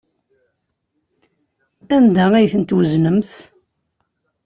Anda ay tent-tweznemt?